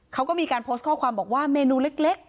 เขาก็มีการโพสต์ข้อความบอกว่าเมนูเล็ก